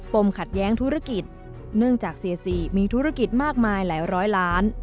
ขัดแย้งธุรกิจเนื่องจากเสียสีมีธุรกิจมากมายหลายร้อยล้าน